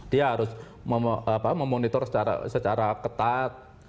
dia harus memonitor secara ketat